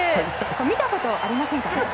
見たことありませんか？